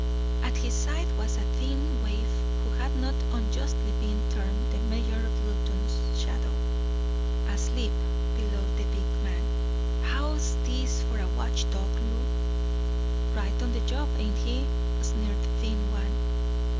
At his side was a thin waif who had not unjustly been termed the mayor of Reuton's shadow. "Asleep," bellowed the big man. "How's this for a watch dog, Lou?" "Right on the job, ain't he?" sneered the thin one.